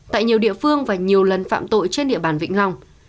tại nhiều địa phương và nhiều lần phạm tội trên địa bàn vĩnh long